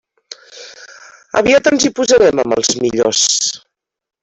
Aviat ens hi posarem amb els millors.